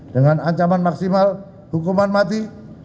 dengan ancaman maksimal hukuman mati